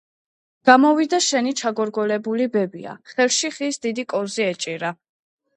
გამოვიდა შენი ჩაგორგოლებული ბებია, ხელში ხის დიდი კოვზი ეჭირა...